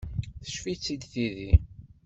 Teccef-itt-id tidi.